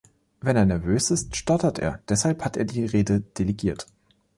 Wenn er nervös ist, stottert er, deshalb hat er die Rede delegiert.